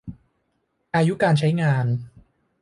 อายุการใช้งาน